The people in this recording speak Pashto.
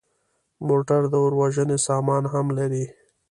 موټر د اور وژنې سامان هم لري.